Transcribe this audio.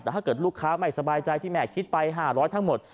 แต่ถ้าเกิดลูกค้าไม่สบายใจที่แม่คิดไป๕๐๐ทั้งหมด